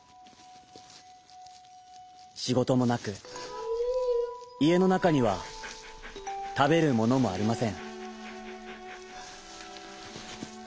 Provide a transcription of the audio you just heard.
しごともなくいえのなかにはたべるものもありません。